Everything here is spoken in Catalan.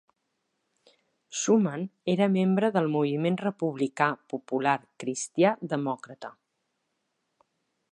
Schumann era membre del Moviment Republicà Popular cristià demòcrata.